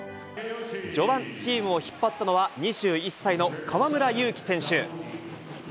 序盤、チームを引っ張ったのは、２１歳の河村勇輝選手。